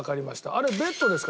あれベッドですか？